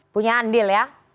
punya andil ya